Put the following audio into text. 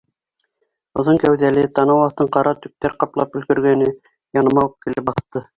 Оҙон кәүҙәле, танау аҫтын ҡара төктәр ҡаплап өлгөргәне, яныма уҡ килеп баҫты.